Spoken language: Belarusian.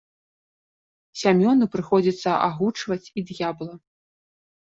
Сямёну прыходзіцца агучваць і д'ябла.